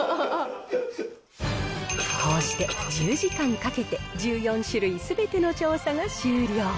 こうして１０時間かけて、１４種類すべての調査が終了。